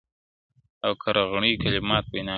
• او کرغېړنو کلماتو وینا کوله -